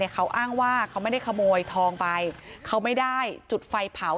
เขาอ้างว่าเขาไม่ได้ขโมยทองไปเขาไม่ได้จุดไฟเผา